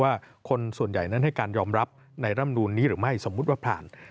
ว่าคนส่วนใหญ่นั้นให้การยอมรับในร่ำนูนนี้หรือไม่สมมุติว่าผ่าน